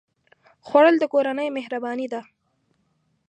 خوړل د کورنۍ مهرباني ده